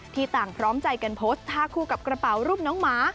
ต่างพร้อมใจกันโพสต์ท่าคู่กับกระเป๋ารูปน้องหมา